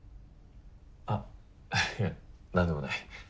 あっいや何でもない。